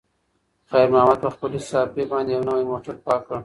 خیر محمد په خپلې صافې باندې یو نوی موټر پاک کړ.